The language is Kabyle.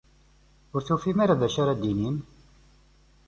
Ur tufim ara d acu ara d-tinim?